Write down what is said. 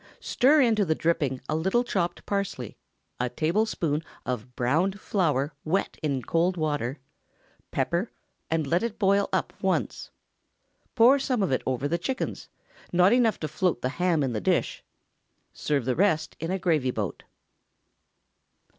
Stir into the dripping a little chopped parsley, a tablespoonful of browned flour wet in cold water; pepper, and let it boil up once. Pour some of it over the chickens—not enough to float the ham in the dish; serve the rest in a gravy boat.